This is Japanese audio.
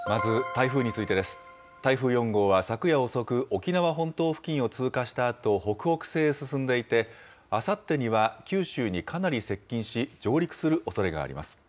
台風４号は昨夜遅く、沖縄本島付近を通過したあと、北北西へ進んでいて、あさってには九州にかなり接近し、上陸するおそれがあります。